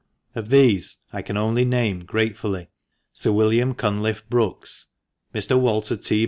Of these I can only name gratefully, Sir William Cunliffe Brookes, Mr. Walter T.